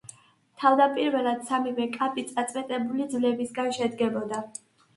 თავდაპირველად სამივე კაპი წაწვეტებული ძვლებისგან შედგებოდა.